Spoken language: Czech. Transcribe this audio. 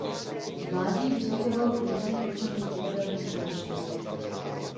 V mládí vystupoval v různých kočovných divadelních společnostech.